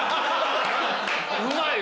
うまい。